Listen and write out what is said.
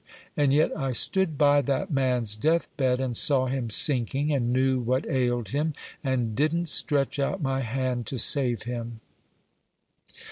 And yet I stood by that man's deathbed, and saw him sinking, and knew what ailed him, and didn't stretch out my hand to save him."